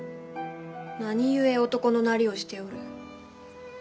何故男のなりをしておる？